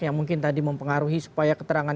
yang mungkin tadi mempengaruhi supaya keterangan